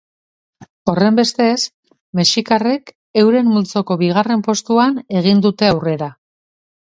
Horrenbestez, mexikarrek euren multzoko bigarren postuan egin dute aurrera.